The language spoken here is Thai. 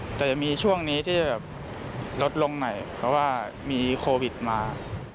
แต่จะมีช่วงนี้ที่แบบลดลงหน่อยเพราะว่ามีโควิดมา